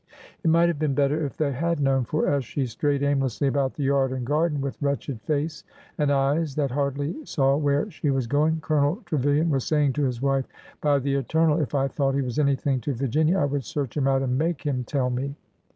It might have been better if they had known, for as she strayed aimlessly about the yard and garden with wretched face, and eyes that hardly saw where she was going. Colonel Trevilian was saying to his wife: " By the Eternal ! if I thought he was anything to Virginia I would search him out and make him tell me!"